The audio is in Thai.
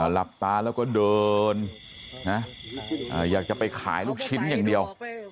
หลับตาแล้วก็เดินอยากจะไปขายลูกชิ้นอย่างเดียว